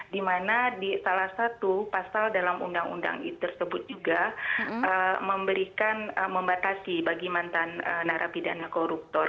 dimana di salah satu pasal dalam undang undang tersebut juga memberikan membatasi bagi mantan narapidana koruptor